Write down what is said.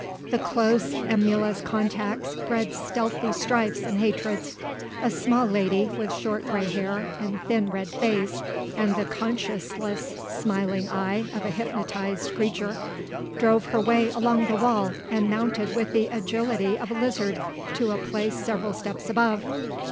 The close, emulous contacts bred stealthy strifes and hatreds. A small lady, with short grey hair and thin red face and the conscienceless, smiling eye of a hypnotized creature, drove her way along the wall and mounted with the agility of a lizard to a place several steps above.